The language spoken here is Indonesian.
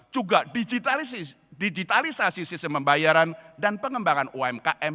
juga digitalisasi sistem pembayaran dan pengembangan umkm